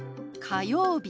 「火曜日」。